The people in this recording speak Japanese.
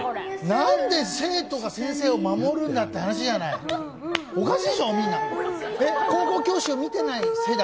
何で生徒が先生を守るんだって話じゃない、おかしいでしょ、「高校教師」を見てない世代？